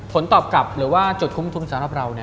ผลตอบกลับหรือว่าจุดคุ้มทุนสำหรับเรา